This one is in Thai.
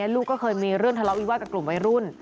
ลูกก็เคยมีเรื่องทะเลาะวิวาสกับกลุ่มวัยรุ่น